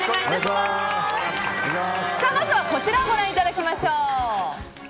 まずはこちらをご覧いただきましょう。